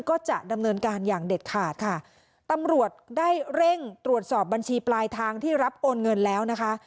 ก็จะดำเนินการอย่างเด็ดขาดค่ะตำรวจได้เร่งตรวจสอบบัญชีปลายทางที่รับโอนเงินแล้วนะคะ